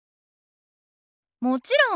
もちろん。